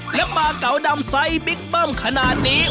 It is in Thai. และปลาเก๋าดำไซส์บิ๊กเบิ้มขนาดนี้